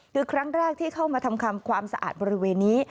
คือครั้งแรกที่เข้ามาทำความสะอาดบริเวณนี้